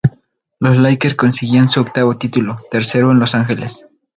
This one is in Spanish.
Los Lakers conseguían su octavo título, tercero en Los Ángeles.